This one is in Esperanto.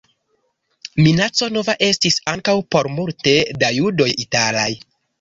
Minaco nova estis ankaŭ por multe da judoj italaj.